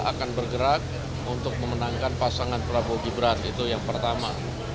akan bergerak untuk memenangkan pasangan prabowo gibran itu yang pertama